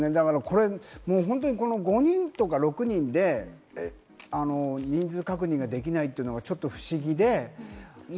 ５人とか６人で人数確認ができないというのはちょっと不思議で。